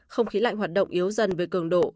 không khí lạnh hoạt động yếu dần về cường độ